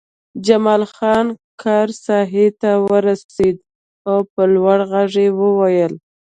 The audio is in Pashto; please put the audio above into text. جمال خان کار ساحې ته ورسېد او په لوړ غږ یې وویل